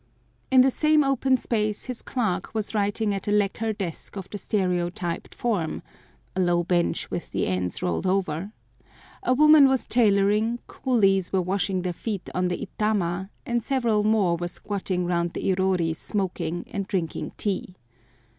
In the same open space his clerk was writing at a lacquer desk of the stereotyped form—a low bench with the ends rolled over—a woman was tailoring, coolies were washing their feet on the itama, and several more were squatting round the irori smoking and drinking tea.